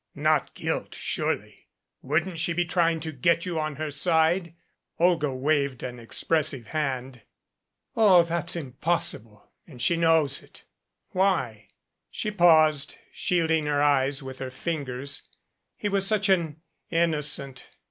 "Not guilt surely wouldn't she be trying to get you on her side ?" Olga waved an expressive hand. 284 CIRCE ZND THE FOSSIL "Oh, that's impossible and she knows it." "Why?" She paused, shielding her eyes with her fingers. He was such an innocent.